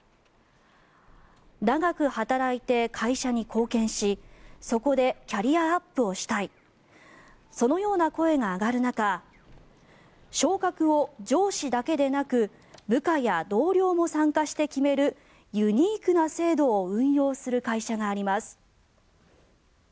長く働いて会社に貢献しそこでキャリアアップをしたいそのような声が上がる中昇格を、上司だけでなく部下や同僚も参加して決めるユニークな制度を運用する会社があります。